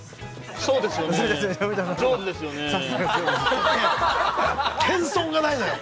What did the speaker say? ◆そうですよね。